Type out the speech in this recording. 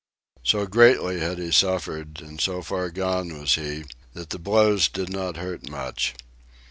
So greatly had he suffered, and so far gone was he, that the blows did not hurt much.